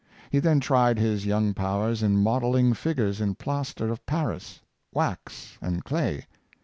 He then tried his young powers in modelling figures in plaster of Paris, wax, and clay.